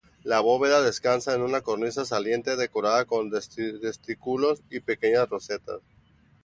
La bóveda descansa en una cornisa saliente decorada con dentículos y pequeñas rosetas.